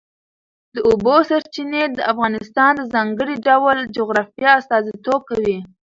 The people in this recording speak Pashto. د اوبو سرچینې د افغانستان د ځانګړي ډول جغرافیه استازیتوب کوي.